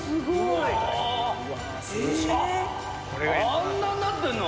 あんなになってるの？